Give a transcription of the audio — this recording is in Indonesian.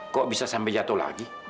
kok bisa sampai jatuh lagi